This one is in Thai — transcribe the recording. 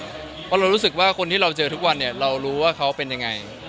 เพราะเรารู้สึกว่าคนที่เราเจอทุกวันเนี่ยเรารู้ว่าเขาเป็นยังไง